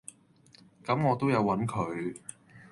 咁我都有搵佢